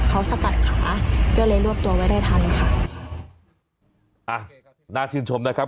เขาสกัดขาก็เลยรวบตัวไว้ได้ทันค่ะอ่ะน่าชื่นชมนะครับ